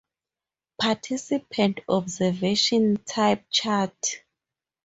Participant Observation Type Chart.